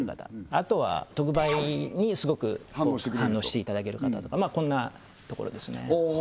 あとは特売にスゴく反応していただける方とかまっこんなところですねああ